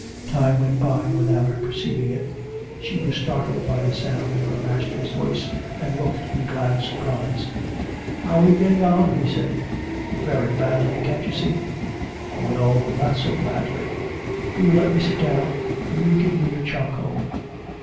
Time went by without her perceiving it; she was startled by the sound of her master's voice and looked in glad surprise. 'How are you getting on?' he said. 'Very badly. Can't you see?' 'No, not so badly. Will you let me sit down? Will you give me your charcoal?'